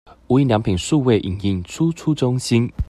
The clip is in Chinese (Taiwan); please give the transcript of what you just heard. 無印良品數位影印輸出中心